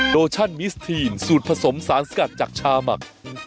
โลชั่นมิสทีนสูตรผสมสารสกัดจากชาหมัก